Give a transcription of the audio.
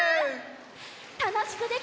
たのしくできた